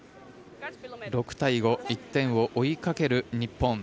６対５１点を追いかける日本。